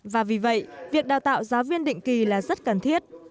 và vì vậy việc đào tạo giáo viên định kỳ là rất cần thiết